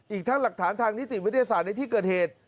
อีกทั้งหลักฐานทางนิติวิทยาศาสตร์ในที่เกิดเหตุ